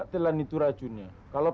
pertanyaan dari dat unfamiliar